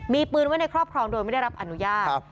มีปืนไว้ในครอบครองโดยไม่ได้รับอนุญาต